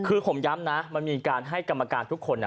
คือผมย้ำนะมันมีการให้กรรมการทุกคน